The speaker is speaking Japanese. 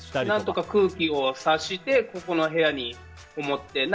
何とか空気を察してここの部屋にこもって。